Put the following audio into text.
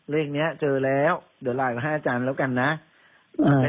เลขนี้เจอแล้วเดี๋ยวไลน์มาให้อาจารย์แล้วกันนะ